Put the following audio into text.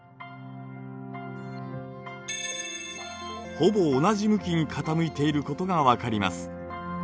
ほぼ同じ向きに傾いていることが分かります。